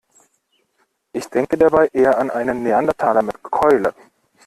Ich denke dabei eher an einen Neandertaler mit Keule.